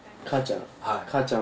母ちゃん？